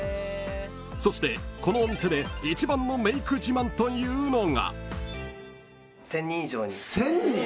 ［そしてこのお店で一番のメイク自慢というのが］